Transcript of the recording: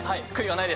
はい。